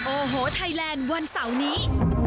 โอ้โหไทยแลนด์วันเสาร์นี้